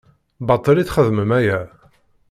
Baṭel i txeddmem aya?